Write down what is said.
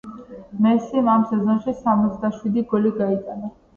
მესიმ ამ სეზონში სამოცდა შვიდი გოლი გაიტანა